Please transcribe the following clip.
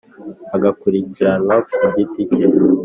agakurikiranwa ku giti cye